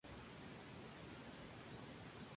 La industria de mayor importancia es la alimentaria.